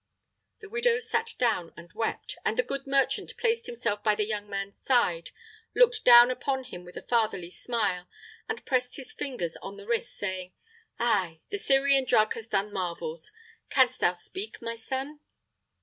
The widow sat down and wept, and the good merchant placed himself by the young man's side, looked down upon him with a fatherly smile, and pressed his fingers on the wrist, saying, "Ay, the Syrian drug has done marvels. Canst thou speak, my son?"